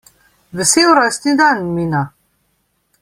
Vesel rojstni dan Mina!